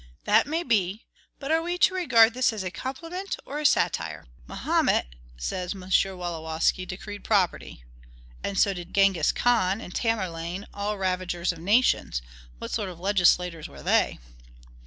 That may be; but are we to regard this as a compliment or a satire? "Mahomet," says M. Wolowski, "decreed property." And so did Genghis Khan, and Tamerlane, and all the ravagers of nations. What sort of legislators were they?